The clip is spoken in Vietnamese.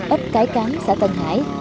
ấp cái cám xã tân hải